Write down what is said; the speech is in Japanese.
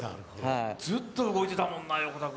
ずっと動いてたもんな、横田君。